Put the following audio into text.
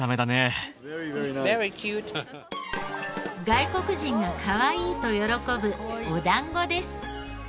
外国人がかわいいと喜ぶお団子です。